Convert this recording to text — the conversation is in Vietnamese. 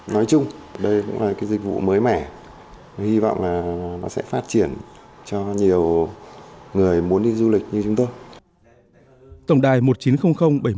nói chung đây cũng là cái dịch vụ mới mẻ hy vọng là nó sẽ phát triển cho nhiều người muốn đi du lịch như chúng tôi